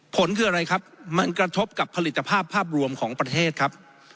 ผลคืออะไรครับมันกระทบกับผลิตภาพภาพรวมของประเทศครับ